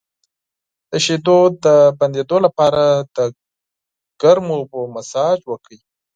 د شیدو د بندیدو لپاره د ګرمو اوبو مساج وکړئ